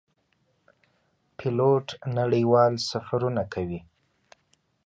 پیلوټ نړیوال سفرونه کوي.